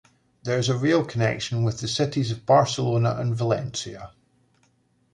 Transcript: There is a rail connection with the cities of Barcelona and Valencia.